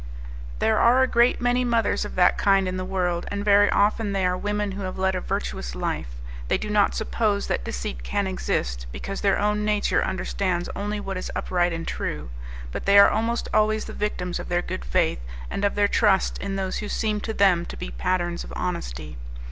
There are a great many mothers of that kind in the world, and very often they are women who have led a virtuous life; they do not suppose that deceit can exist, because their own nature understands only what is upright and true; but they are almost always the victims of their good faith, and of their trust in those who seem to them to be patterns of honesty.